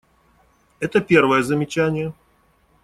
Это первое замечание.